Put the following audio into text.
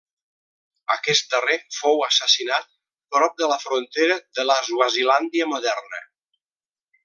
Aquest darrer fou assassinat prop de la frontera de la Swazilàndia moderna.